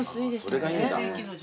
それがいいんだ。